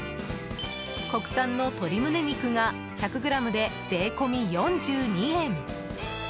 国産の鶏胸肉が１００ｇで税込み４２円。